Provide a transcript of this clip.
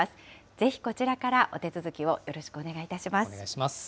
ぜひ、こちらからお手続きをよろしくお願いします。